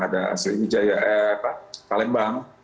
ada slewijaya eh pak palembang